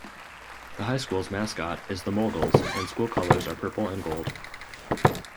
The High School's mascot is the Moguls and school colors are purple and gold.